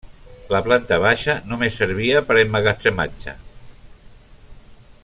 La planta baixa només servia per a emmagatzematge.